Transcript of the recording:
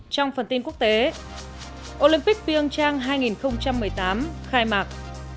trong phần tin quốc tế olympic pyeongchang hai nghìn một mươi tám khai mạc